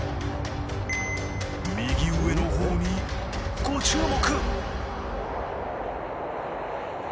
右上の方にご注目！